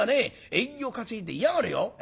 縁起を担いで嫌がるよ。